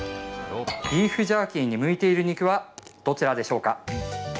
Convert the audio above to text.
ビーフジャーキーに向いている肉はどちらでしょうか。